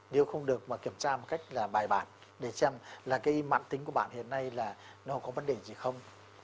nếu không được mà kiểm tra một cách là bài bản để xem là cái mạng tính của bạn hiện nay là nó có vấn đề gì không